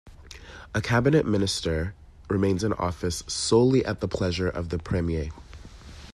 A cabinet minister remains in office solely at the pleasure of the Premier.